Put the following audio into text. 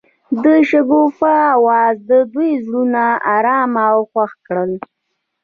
د شګوفه اواز د دوی زړونه ارامه او خوښ کړل.